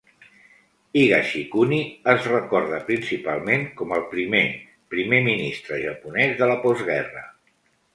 Higashikuni es recorda principalment com el primer Primer ministre japonès de la postguerra.